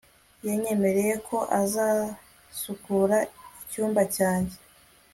Yanyemereye ko azasukura icyumba cyanjye